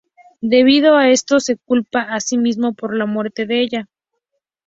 Debido a esto, se culpa a sí mismo por la muerte de ella.